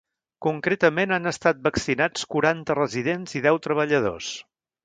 Concretament han estat vaccinats quaranta residents i deu treballadors.